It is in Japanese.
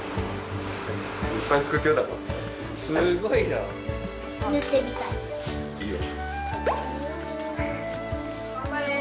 すごいな！いいよ。